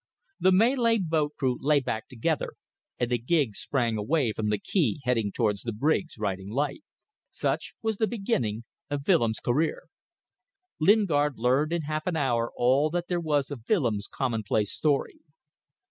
The Malay boat crew lay back together, and the gig sprang away from the quay heading towards the brig's riding light. Such was the beginning of Willems' career. Lingard learned in half an hour all that there was of Willems' commonplace story.